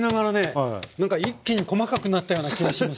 何か一気に細かくなったような気がします。